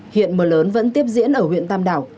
hiện mưa lớn vẫn tiếp diễn ở huyện tam đảo